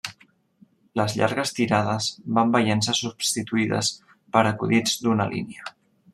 Les llargues tirades van veient-se substituïdes per acudits d'una línia.